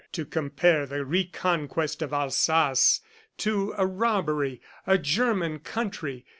To compare the reconquest of Alsace to a robbery. A German country!